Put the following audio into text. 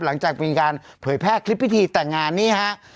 หลังจากมีการเผยแพร่คลิปพิธีแต่งงานนี่ฮะ